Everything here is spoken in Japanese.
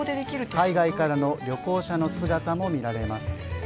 海外からの旅行者の姿も見られます。